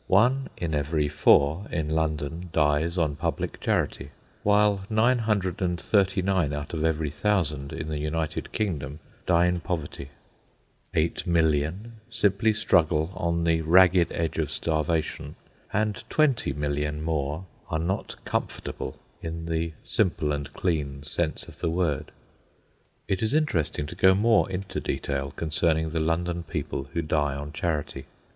One in every four in London dies on public charity, while 939 out of every 1000 in the United Kingdom die in poverty; 8,000,000 simply struggle on the ragged edge of starvation, and 20,000,000 more are not comfortable in the simple and clean sense of the word. It is interesting to go more into detail concerning the London people who die on charity.